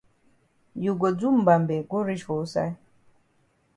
You go do mbambe go reach for wusaid?